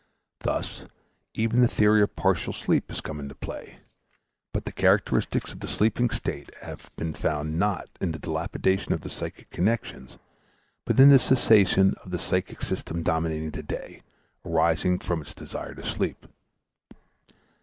Thus, even the theory of partial sleep has come into play; but the characteristics of the sleeping state have been found not in the dilapidation of the psychic connections but in the cessation of the psychic system dominating the day, arising from its desire to sleep.